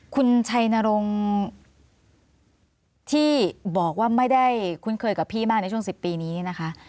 คุณชัยนรงค์ที่บอกว่าไม่ได้คุ้นเคยกับพี่มากในช่วง๑๐ปีนี้นะคะ